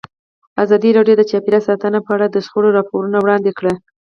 ازادي راډیو د چاپیریال ساتنه په اړه د شخړو راپورونه وړاندې کړي.